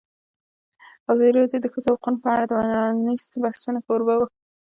ازادي راډیو د د ښځو حقونه په اړه د پرانیستو بحثونو کوربه وه.